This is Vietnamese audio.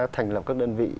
thành lập các đơn vị